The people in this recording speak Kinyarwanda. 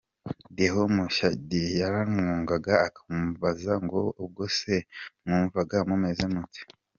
Déo Mushayidi yaramwumvaga akamubaza ngo ubwo se mwumvaga mumeze mute?